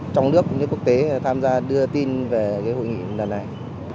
chúng tôi cũng như quốc tế tham gia đưa tin về hội nghị lần này